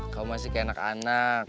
kamu masih kayak anak anak